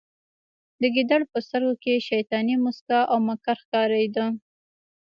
د ګیدړ په سترګو کې شیطاني موسکا او مکر ښکاریده